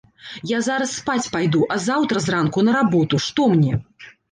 Я зараз спаць пайду, а заўтра зранку на работу, што мне.